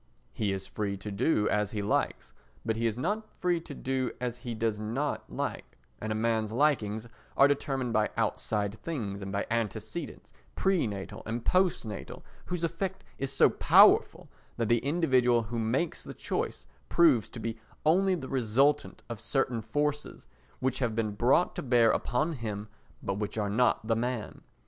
He is free to do as he likes, but he is not free to do as he does not like; and a man's likings are determined by outside things and by antecedents, pre natal and post natal, whose effect is so powerful that the individual who makes the choice proves to be only the resultant of certain forces which have been brought to bear upon him but which are not the man.